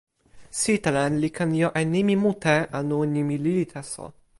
sitelen li ken jo e nimi mute anu nimi lili taso.